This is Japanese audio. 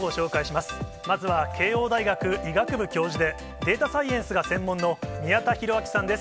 まずは慶応大学医学部教授で、データサイエンスが専門の宮田裕章さんです。